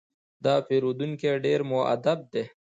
دا پیرودونکی ډېر مؤدب دی.